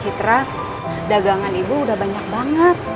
citra dagangan ibu udah banyak banget